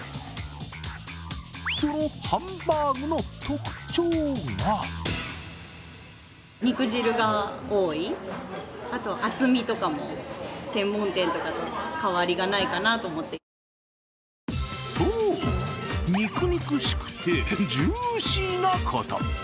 そのハンバーグの特徴がそう、肉肉しくてジューシーなこと。